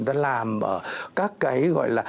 đã làm ở các cái gọi là